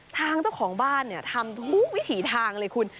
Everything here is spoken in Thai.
ทางเจ้าของบ้านทำทุกวิถีทางเลยคุณ